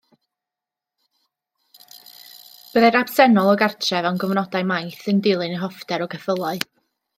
Byddai'n absennol o gartref am gyfnodau maith yn dilyn ei hoffter o geffylau.